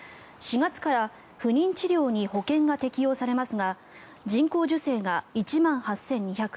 ４月から不妊治療に保険が適用されますが人工授精が１万８２００円